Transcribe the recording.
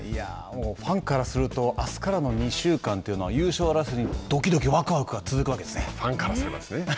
ファンからするとあすからの２週間というのは優勝争いにどきどきわくわくが続くわけですよね。